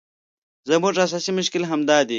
زموږ اساسي مشکل همدا دی.